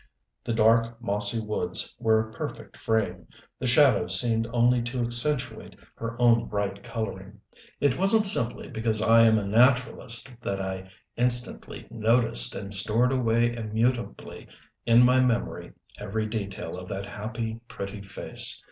The dark, mossy woods were a perfect frame, the shadows seemed only to accentuate her own bright coloring. It wasn't simply because I am a naturalist that I instantly noticed and stored away immutably in my memory every detail of that happy, pretty face.